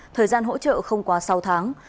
thời gian hỗ trợ không quá sáu tháng